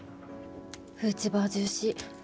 フーチバージューシー。